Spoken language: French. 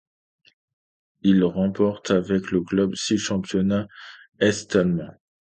Il remporte avec le club six championnats est-allemands.